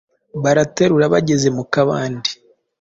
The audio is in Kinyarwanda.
baraterura bageza mu kabande